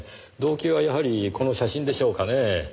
動機はやはりこの写真でしょうかねぇ。